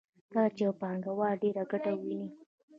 کله چې یو پانګوال ډېره ګټه وویني